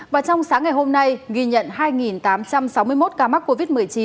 và trong sáng ngày hôm nay ghi nhận hai tám trăm sáu mươi một ca mắc covid một mươi chín